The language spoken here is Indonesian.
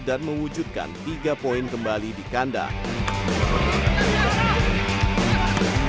dan mewujudkan tiga poin kembali di kandang